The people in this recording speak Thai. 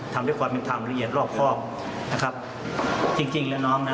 ทำด้วยความเป็นธรรมละเอียดรอบครอบนะครับจริงจริงแล้วน้องนะ